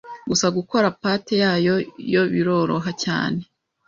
gusa gukora pate yayo yo biroroha cyane